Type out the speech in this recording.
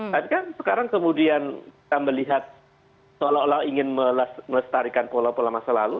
tapi kan sekarang kemudian kita melihat seolah olah ingin melestarikan pola pola masa lalu